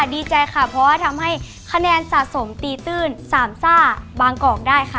ดีใจค่ะเพราะว่าทำให้คะแนนสะสมตีตื้นสามซ่าบางกอกได้ค่ะ